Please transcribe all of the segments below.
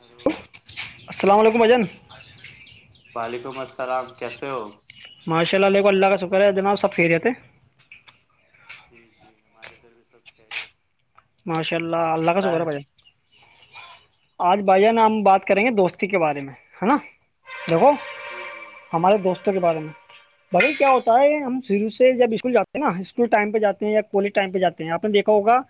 Hello السلام علیکم بھاجان وعلیکم السلام کیسے ہو ماشاء اللہ کو اللہ کا شکر ہے جناب سب خیری رہتےے جی جی ہمارے طر بھی سب خیریت ماشاء اللہ اور اللہ ک کا بتائیں سکر بھای جا ن [inaudible] آج بھائ جن نا ہم بات کریں گے دوستی کے بارے میں ہے نا دیکھو جی جی ہمارے دوستوں کے بارے میں بھائی کیا ہوتا ہے ہم شورو سے جب اسکول جے ہیں نا اسکول ٹائم پہ جاتے ہیں یا کالج ٹائم پہ جاتے ہیں آپ نے دیکھا ہوگا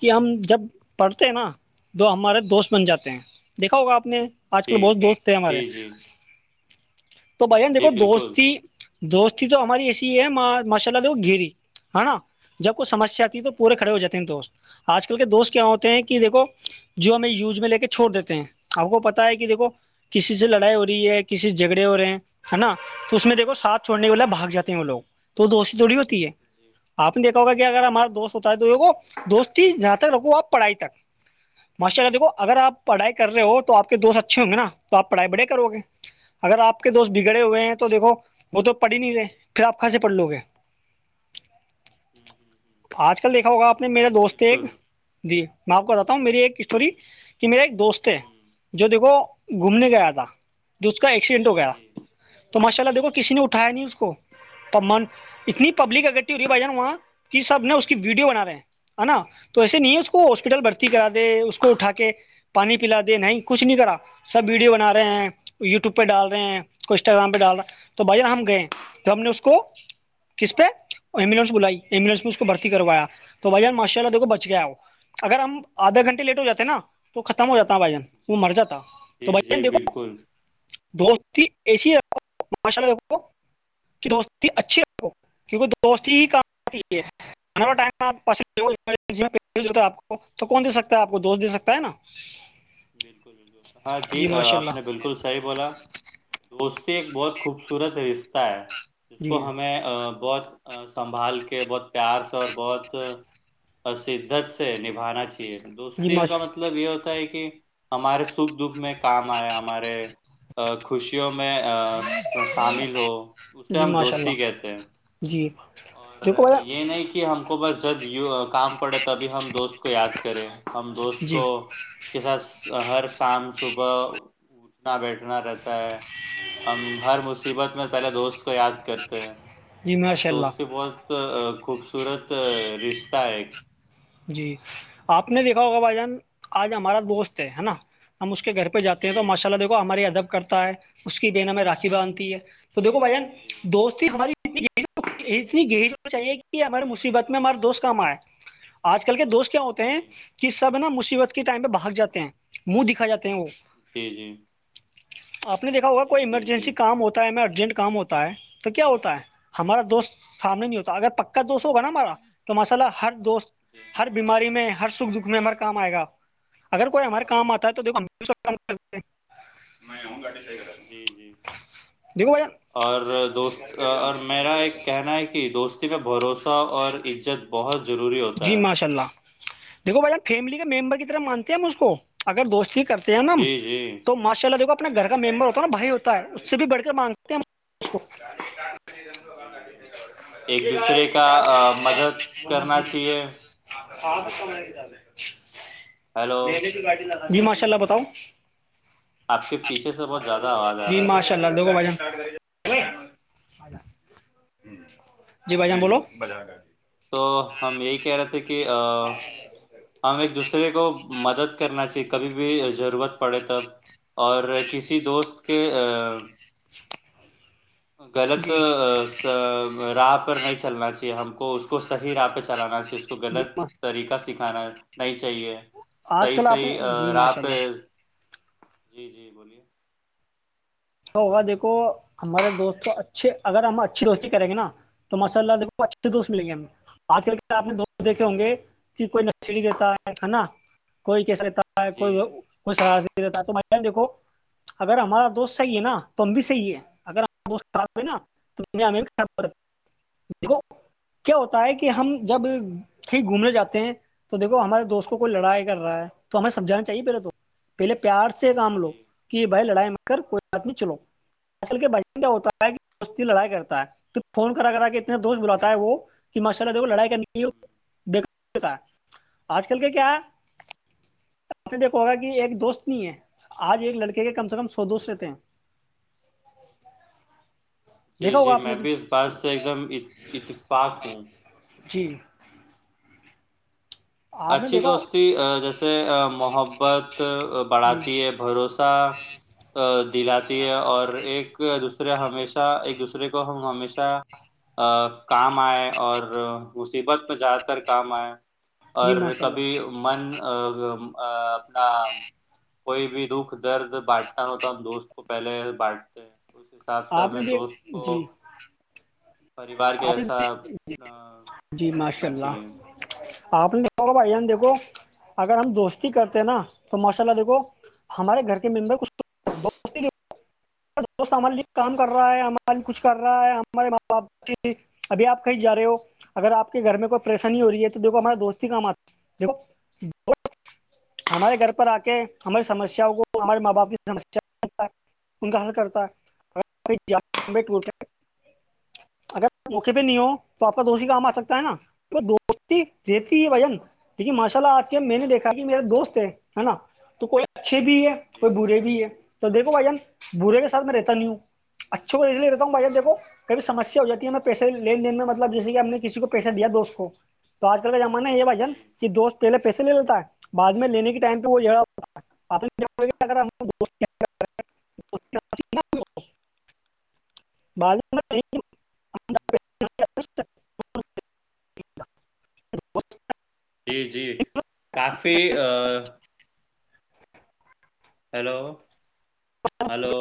کہ ہم جب پڑھتے ہیں نا تو ہمارے دوست بن جاتے ہیں دیکھا ہوگا آپ نے آج کل جی بہت دوست تھے ہمارے جی جی تو بھان جی دیکھو بالکل دوستی دوستی تو ہماری ایسی ہی ہے ماشاء اللہ دیکھو گیری ہے نا جب کوئی سمسیا آتی ہے تو پورے ہ کھڑے ہو جاتے ہیں دوست آج کل کے دوست کیا ہوتے ہیں جی کہ دیکھو جو ہمیں یوز میں لے کے چھوڑ دیتے ہیں آپ کو پتا ہے کہ دیکھو کسی سے لڑائی ہو رہی ہے کسی سے جھگڑے ہو رہے ہیں ہے نا تو اس ہ میں دیکھو جی جی ساتھ چوڑنے والے بھاگ جاتے ہیں وہ لوگ تو وہ دوستی تھوڑی ہوتی ہے آپ نے دیکھا کہ اگر ہمارا دوست ہوتا ہے تو یہو دوست ہی جہاں تک رکھو آپ پڑھائی تک ماشاء اللہ دیکو اگر آپ ڑھائی کرے ہو تو آ کے دوست اچھے ہوں گے نا توپ پڑھائی بڑے کرو گے اگر آپ آپ کے دوست بگڑے ہوئے ہیں تو دیکھو وہ تو پڑ ہی نہیں رہے پھر آپ کہسے پڑھ لو گے ہ ہ آج کل دیکھا ہوگا آپ نے میرا ہ دوست ایک بالکل جی میں آپ کو باتا ہوں میری ایک اسٹوری کہ میرے ایک دوست تھ ہ ہ جی جو دیکھو ہ ہ گھومنے کے آیا تھا اس کا ایکسیڈنٹ ہو گیا ہ جی تو ماشاء اللہ دیکھو کسی نے اٹھایا نہیں اس کو تب من پ اتنی پبلک اگٹیو رہی بھائی جان وہاں کہ سب نے اس کی ویڈیو بنا رہے ہیں ہے نا تو ایسے نہیں ہے اس کو ہاسپٹل بھرتی کرا دے اس کو اٹھا کے پانی پلا دے نہیں کچھ نہیں کرا سب ویڈیو بنا رہے ہیں یوٹیوب پہ ڈال رہے ہیں کو انسٹاگرام پہ ڈال رہا تو بھائیانا ہم گئے تو ہم نے اس کو کس پہ ایمبولینس بلائی ایمبولینس میں اس کو بھرتی کروایا تو بھائیان ماشاء اللہ دیکھو بچ گیا ہو اگر ہم آھا گھنٹے لیٹ ہو جاتے نا تو ختم ہو جاتا بھ جن وہ مر جاتا جی تو بھائی جی جن دیکھو بالکل دستی ایسے ماشء دوستی اچھی ہوگ کیونکہ دوستی ہی کام آتی ہے ہما ٹائم آپ کو تو کون دے سکتا ہے آپ کو دوست دے سکتا ہے نا بالکل بالکل ہاں جی ماشاء آپ اللہ نے بالکل صحیح بولا دوستی ایک بہت خوبصورت رشتہ ہے اس کو جی ہمیں بہت سنبھال کے بہت پیار سے اور بہت شدت سے نبانا چاہیے جی دوستی ماش کا مطلب یہ ہوتا ہے کہ ہمارے سکھ دکھ میں کام آئے ہمارے خوشیوں میں شامل ہو اسے جی ہم ماشاء دوستی اللہ کہتے ہیں جی اور دیکھو بھائی اور یہ جان نہیں کہ ہم کو بس جب ی کام پڑے تبھی ہم دوست کو یاد کرے ہم دوست جی کساس ہر شام صبح اٹھنا بیٹھنا رہتا ہے ہر مصیبت میں پہلے دوست کو یاد کرتے ہیں جی تو یہ ماشاء دوست اللہ بہت خوبصورت رستاہ ہے جی آپ نے دیکھا ہوگا بھائی جان آج ہمارا دوست ہے ہے نا ہم اس کے گھر پہ جاتے ہیں جی تو ماشاء اللہ دیکھو ہماری ادب کرتا ہے اس کی ب ن ہم میں راکھی باندتی ہے تو دیکو بھیا جی دو سو ہماری اتنی گہریج چاہیے کہ ہمارے مصیبت میں ہمارے دوست کام آئے آج کل کے دوست کیا ہوتے ہیں جی کہ سب نا مصیبت کے ٹائم پہ بھاگ جاتے ہیں منہ دکھا جاتے ہیں وہ جی جی آپ نے دیکھا ہوگا کوئی جی جی ایمرجنسی جی کام ہوتا ہے میں ارجنٹ کام ہوتا ہے تو کیا ہوتا ہے ہمارا دوست سامنے نہیں ہوتا اگر پکا دوست ہوگا نا ہمارا تو ماساءلہ ہر دوست جی ہر بیماری میں ہر سکھ دکھ میں ہر کام آئے گا آپ اگر کوئی ہمارا کام آتا ہے تو جی جی دیکھو بھائی جان، اور دوست اور میرا ایک کہنا ہے کہ دوست بھروسہ اور عزت بہت ضروری ہوتا ہے اللہ دیکو بھائی آب فیملی کے ممبر کی طرف مانتے ہیں ہم اس کو اگر دوستی کرتے نا جی جی تو ماشاء اللہ دیک آ اپنا گھر کا ممبر ہوتا ہے نا بھائی ہوتا ہے اس سے بھی بڑھ کے مانگتے ہیں اس کو جی جی ایک یہ گاڑی دوسرے یہ کا چابی آ، مدد منوج کرنا جی س چاہیے تو کم لگالے ہیلو جی ماشاء اللہ بتاؤ آپ کے پیچھے سے بہت زیادہ آواز آ رہا ہے رہ دو بھ جی بھائی جان بولو بجار تو ہم یہی کہہ رہے تھے کہ ہم ایک دوسرے کو مدد کرنا چاہیے کبھی بھی ضرورت پڑے تب اور کسی دوست کے غلط جی راہ پر نہیں چلنا چاہیے ہم کو اس اس کو صح راہ پہ چلانا چاہیے اس کو جی غلط ما- طریقہ سکھانا نہیں چاہیے آج صحیح کل آپ صحیح نے جی اور آپ ماشاء اللہ جی جی بولیے تو ہوگا دیکھو ہمارے دوست تو اچھے اگر ہم اچھی روشنی کریں گے نا تو ماشاء اللہ دیکو اچھے دوست ملیں گے ہمیں کر کے آ نے دوست دیکھے ہوں جی گے کہ کوئی نلی دیتا ہے ہے نا کوئی کیسا دیتا ہے جی کورار رہتا تو بھ دیکھو اگر ہمارا دوست صحیح ہے نا تو ہم بھی صحیح ہے اگر ہم دیکھو کیا ہوتا ہے کہ ہم جب کہیں گھومنے جاتے ہیں تو دیکو ہمارے دوست کو کوئی لڑائی کر رہا ہے تو ہمیں سمجھانا چاہیے پہلے تو پہلے پیار سے سے کام لو جی کہ بھائی لڑائی میں کر کوئی آدمی چلو کے بھن کیا ہوتا ہے کہ دوست لڑائی کرتا ہے پھر فون کرا کرا کے اتنے دوست بلاتا ہے وہ کہ ماشاء اللہ دیکھو لڑائی کرنی ہو ہوں بتا ہے آج کل کے کیا ہے آپ نے دیکھا ہوگا کہ ایک دوست نہیں ہے آج ایک لڑکے کے کم سے کم سو دوست رہتے ہیں [inaudible] جی دیکھا جی ہوگا آپ میں نے بھی اس بات سے ایک دم اتفاق ہوں جی آپ نے اچھی دیکھو دوستی جیسے محبت جی بڑھاتی ہے جی بھروسہ دلاتی ہے اور ایک دوسرے ہمیشہ ایک دوسرے کو ہم ہمیشہ کام آئے اور مصیبت پہ زیادہ تر کام آئے اور ماشاء اللہ کبھی من اپنا کوئی بھی دکھ درد بانٹنا نہ ہو تو ہم دوست کو پہلے بانٹتے حب سے آپ نے میں دوست بھی کو جی پریوار کے آپ ایسا نے جی ٹریٹ ماشاء کرنا اللہ چاہیے آپ نے دیکھو بھائی جان دیکھو اگر ہم دوستی کرتے ہیں نا تو ماشاء اللہ دیکھو ہمارے گھر کے ممبر کچھ ار دوست ہمارے لیے کام کر رہا ہے ہمارے لیے کچھ کر رہا ہے ہمارے ماں باپ ابھی آپ کہیں جا رہے ہو اگر آپ کے گھر میں کوئی پریشانی ہو رہی ہے تو دیکھو ہمارے دوست ہی کام آتا ہے دیکھو ہمارے گھر پر آ کے ہماری سمیاں کو ہمارے ماں باپ کی سیا ان کا حل کرتا اگر موقعے پہ نہیں ہو تو آپ کا دوسیی جی کام آ سکتا ہے نا وہ دوستی رہتی ہے وجن لیکن ماشاء اللہ آپ کے میں نے دیکھا میرا دوست ہے ہے نا تو کوئی اچھے بھی ہے جی کوئی برے بھی ہے تو دیکھو بھائی جان برے کے سات جی میں رہتا نہیں ہوں اچھے کو رہتا ہوں بھائی دیکھو کبھیمسیا ہو جاتی ہے میں پیسے لین دین میں مطلب جیسے کہ ہم نے کسی کو پیسہ دیا دوست کو تو آج کل کا زمانہ ہے یہ بھائی جان جی کہ دوست پہلے پیسے لیتا ہے بعد میں لینے کے ٹائم پہ وہ جڑا ہوتا ہے اپنے اگر ہم [inaudible] بال جی جی کافی [inaudible] ہیلو ہیلو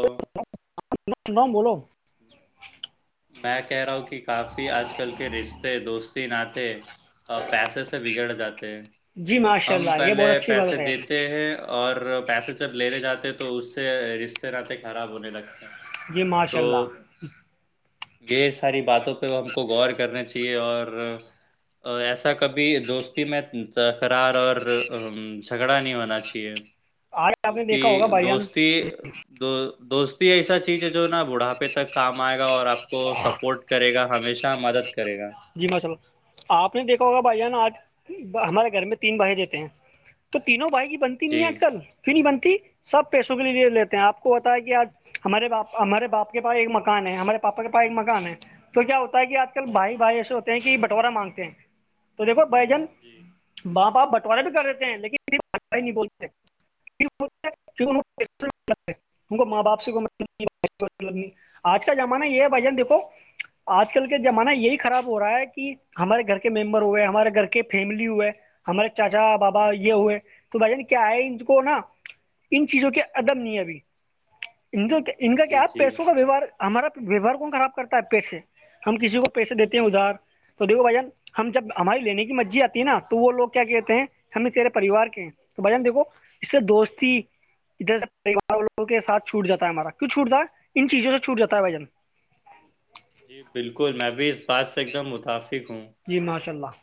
امام بولو میں کہہ رہا ہوں کہ کافی آج کل کے رشتے دوستی ناتے پیسے سے بگڑ جاتے ہیں جی ماشاء ہم اللہ یہ پہلے بہت اچھی پیسے بات ہے دیتے ہیں اور اور پیسے جب لینے جاتے تو اس سے رشتے ناطے خراب ہونے لگتے ہیں جی تو ماشاء اللہ یہ ساری باتوں پہ ہم کو غور کرنا چاہیے اور ایسا کبھی دوستی میں تقرار اور جھگڑا نہیں ہونا چاہیے ہے آج آپ نے دیکھا ہوگا کیونکہ بھائی جان دوستی دو دوستی ایسا چیز ہے جو نا بڑھاپے تک کام آئے گا اور آپ کو سپورٹ کرے گا ہمیشہ مدد کرے گا جی ماصل آپ نے دیکھا ہوگا بھائی جانا آج ہمارے گھر میں تین بہائی دیتے ہیں تو تینوں بھائی کی بنتی نہیں ہے جی آج کل کیوں نہیں بنتی سب پیسوں کے لیے لیتے ہیں آپ کو بتا ہے کہ آج ہمارے باپ ہمارے باپ کے پاس ایک مکان ہے ہمارے پاپا کے پاس ایک مکان ہے تو کیا ہوتا ہے کہ آپ بھائی ہوں بھائی ایسے ہوتے ہیں کہ بٹوارا مانگتے ہیں تو دیکھو بھ جان جی باپ آپ بٹوارے بھی کر رہتے ہیں لیکن بے نہیں بولتے ماں باپ سے آج کا زمانہ یہ ہے بھائی جن ہوں دیکو آج کل کے زمانہ یہی خراب ہو رہا ہے کہ ہمارے گھر کے ممبر ہوئے ہمارے گھر کے فیملی ہوئے ہمارے چاچا بابا یہ ہوئے تو بھائی جان کیا ہے ان کو نا ان چیزوں کے ادب نہیں ابھی ان کو ان کا کیا جی آپ جی پیسوں کا ویوہار ہمارا ویوہار کون خراب کرتا ہے آپ پیسے ہم کسی کو پیسے جی ادار تو دیکھو بھائی جان ہم جب ہماری لینے کی مرجی آتی ہے نا تو وہ لوگ کیا کہتے ہیں ہمیں تیرے پریوار کے ہیں تو بھائیان دیکھو اس سے دوستی جدھر سے پریوار والوں کے سھ چھوٹ جا ہے ہمارا کیوں چھوٹتا ہے ان چیزوں سے چھوٹاتا ہے بھ جن جی بالکل میں بھی اس بات سے ایک دم متفق ہوں جی ماشاء اللہ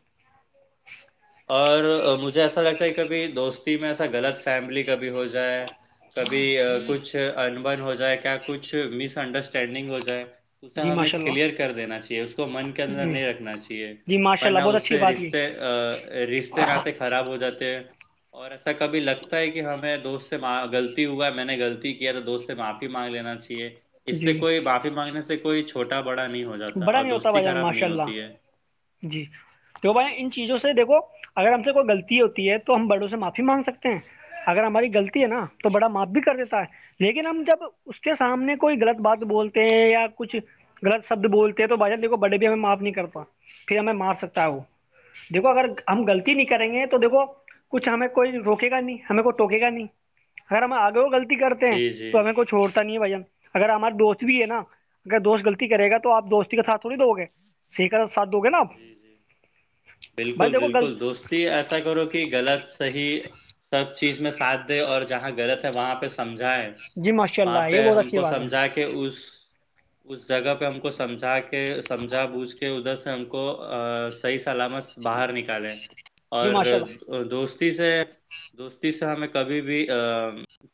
اور مجھے ایسا لگتا ہے کبھی دوستی میں ایسا غلط فیملی کبھی ہو جائے کبھی کچھ انبن ہو جائے کیا کچھ مس انڈرسٹینڈنگ ہو جائے اسے جی ہمیں ماشاء کلیئر اللہ کر دینا چاہیے اس کو من کے اندر جی نہیں رکھنا چاہیے جی ماشاء اللہ ورنہ بہت اس اچھی سے بات کی رشتے رشتے ناطتے خراب ہو جاتے ہیں اور ایسا کبھی لگتا ہے کہ ہمیں دوست سےغلی ہوا ہے میں نے غلطی کیا تو دوست سے معافی مانگ لینا چاہیے اس سے جی کوئی بافی مانگنے سے کوئی چھ چھوٹا بڑا نہیں ہو جاتا بڑا اور نہیں ہوتا دوستی بھائی جان خراب نہیں ماشاء اللہ ہوتی ہے جی تو بھ جی، ان جی، چیزوں سے دیکھو گر ہم سے کوئی غلی ہوتی ہے تو ہم بڑوں سے معافی مانگ سکتے ہیں اگر ہماری غلطی ہے نا جی، تو بڑا معاف بھی کر دیتا ہے لیکن ہم جب اس کے سامنے کوئی غلط بات بولتے ہیں یا کچھ غلط شبد بولتے ہیں تو بھائیا دیک کو بڈے بھی ہمیں معاف نہیں کرتا پھر ہمیں مار سکتا ہے وہ دیکھو اگر ہم غلطی نہیں کریں گے تو دیکھو کچھ ہمیں کوئی روکے گا نہیں ہمیں کوئی ٹکے گا نہیں اگر ہم آگے ہو گغلط کرتے ہیں جی، جی۔ تو ہمیں کوئی چھوڑتا نہیں ہے بھان اگر ہمارے دوست بھی ہے نا اگر دوست غلط کرے گا تو آپ دوستی کااتھ تھوڑی دو گے س کا ساتھ دو گے نا آپ جی جی بھائی بالکل دیکھو بالکل غلط دوستی ایسا کرو کہ غلط صحی سب چیز میں ساتھ دے اور جہاں غلط ہے وہاں پہ سب سمجھاائے جی ماشاء وہاں اللہ یہ پہ بہت ہم اچھی کو بات ہے سمجھا کے اس اس جگہ پہ ہم کو سمجھا کے سمجھا بوجھ کے ادھر سے ہم کو صحیح سلامت سے باہر نکالیں جی اور ماشاء اللہ دوست سے دوستی سے ہمیں کبھی بھی ا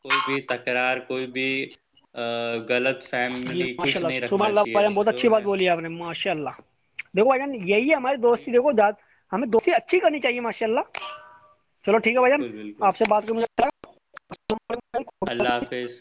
کوئی بھی تکرار کوئی بھی غلط جی فیملی ماشء کچھ نہیں اللہح رکھنا اللہ چاہیے بہت جو اچھی بات ہے بولی آپ نے ماشاء اللہ دیکھو اجان یہی ہماری دوستی ٹھیک دیکھو داد ہمیں دوستی اچھی کرنی چاہیے ماشاء اللہ چلو ٹھیک ہے بھائیان بالکل بالکل آپ سے بات کروں مجھے اللہ حافظ